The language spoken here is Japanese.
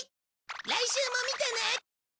来週も見てね！